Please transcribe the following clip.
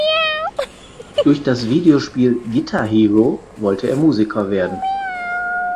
Durch das Videospiel "Guitar Hero" wollte er Musiker werden.